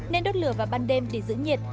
nên đốt lửa vào ban đêm để giữ nhiệt